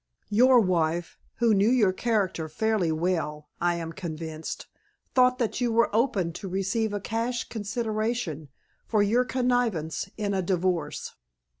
"Your wife, who knew your character fairly well, I am convinced, thought that you were open to receive a cash consideration for your connivance in a divorce."